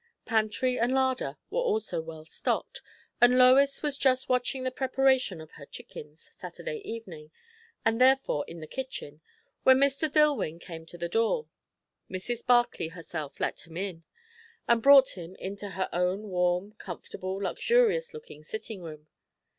Pantry and larder also were well stocked; and Lois was just watching the preparation of her chickens, Saturday evening, and therefore in the kitchen, when Mr. Dillwyn came to the door. Mrs. Barclay herself let him in, and brought him into her own warm, comfortable, luxurious looking sitting room.